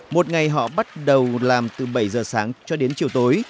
một ngày họ bắt đầu làm từ bảy giờ sáng cho đến chiều tối